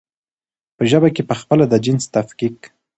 په ژبه کې پخپله د جنس تفکيک